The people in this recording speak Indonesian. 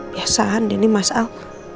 biasa kan dia nih mas alp